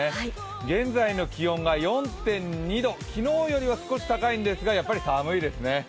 現在の気温が４．２度、昨日よりは少し高いんですが、やっぱり寒いですね。